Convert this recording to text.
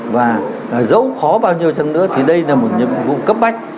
và dẫu khó bao nhiêu chẳng nữa thì đây là một nhiệm vụ cấp bách